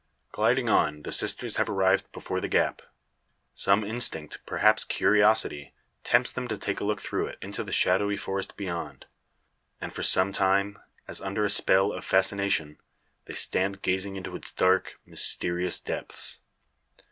Gliding on, the sisters have arrived before the gap. Some instinct, perhaps curiosity, tempts them to take a look through it, into the shadowy forest beyond; and for some time, as under a spell of fascination, they stand gazing into its dark, mysterious depths.